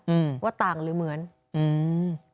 อืมว่าต่างหรือเหมือนอืม